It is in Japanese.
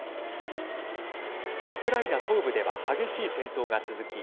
ウクライナ東部では激しい戦闘が続き